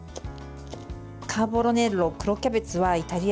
カーボロネロ、黒キャベツはイタリア